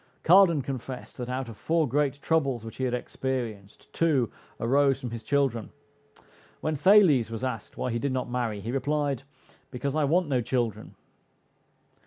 Cardan confessed, that out of four great troubles which he had experienced, two arose from his children. When Thales was asked why he did not marry, he replied, "because I want no children."